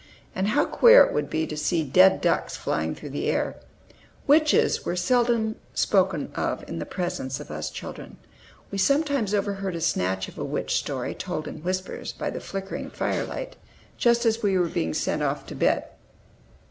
And how queer it would be to see dead ducks flying through the air! Witches were seldom spoken of in the presence of us children. We sometimes overheard a snatch of a witch story, told in whispers, by the flickering firelight, just as we were being sent off to bed.